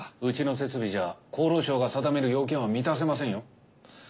うちの設備じゃ厚労省が定める要件は満たせませんよ。